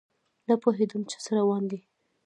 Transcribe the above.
نه پوهیدم چې څه روان دي